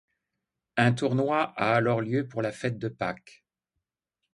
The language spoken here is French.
Un tournoi a alors lieu pour la fête de Pâques.